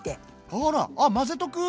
あらああ混ぜとく！